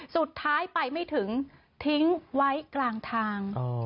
สุดท้ายไปไม่ถึงทิ้งไว้กลางทาง